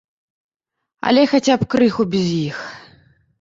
Але, хаця б, крыху без іх.